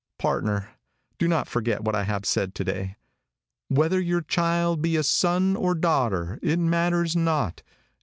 "Partner, do not forget what I have said to day. 'Whether your child be a son or daughter, it matters not.